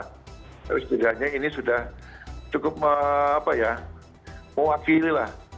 tapi setidaknya ini sudah cukup mau akhiri lah